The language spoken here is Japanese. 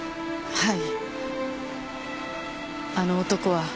はい。